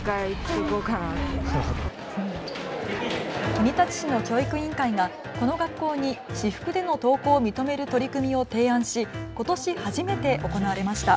国立市の教育委員会がこの学校に私服での登校を認める取り組みを提案し、ことし初めて行われました。